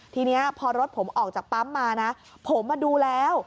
ทีนี้พอรถผมออกจากปั๊มมานะผมมาดูแล้ว